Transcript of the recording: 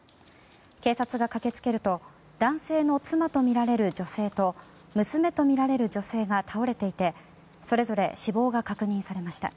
警察が駆け付けると男性の妻とみられる女性と娘とみられる女性が倒れていてそれぞれ死亡が確認されました。